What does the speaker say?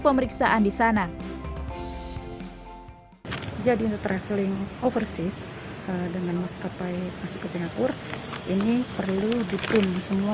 pemeriksaan di sana jadi untuk traveling overseas dengan maskapai masuk ke singapura ini perlu dipun